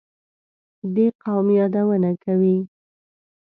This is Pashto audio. دې قوم یادونه کوي.